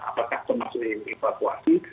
apakah termasuk yang evakuasi